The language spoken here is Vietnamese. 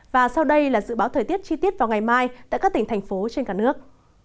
và sau đây là dự báo thời tiết chi tiết vào ngày mai tại các tỉnh thành phố trên cả nước